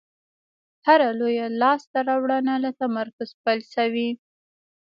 هره لویه لاستهراوړنه له تمرکز پیل شوې.